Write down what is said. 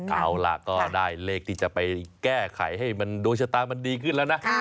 เอาล่ะก็ได้เลขที่จะไปแก้ไขให้มันดวงชะตามันดีขึ้นแล้วนะ